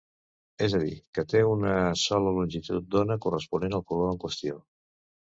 És a dir, que té una sola longitud d'ona, corresponent al color en qüestió.